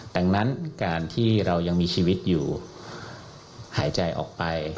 ดังนั้นการที่เรายังมีชีวิตอยู่หายใจออกไป